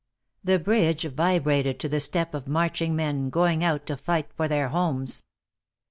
The bridge vibrated to the step of marching men, going out to fight for their homes.